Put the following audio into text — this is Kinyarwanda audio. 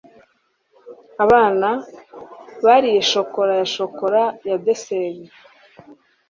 abana bariye shokora ya shokora ya dessert